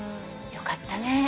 よかったね。